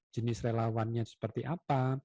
jenis relawannya seperti apa